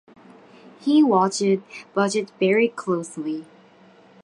He watched budgets very closely.